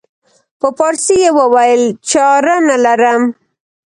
په پارسي یې وویل چاره نه لرم.